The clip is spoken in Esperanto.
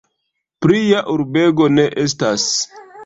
Plia urbego ne estas.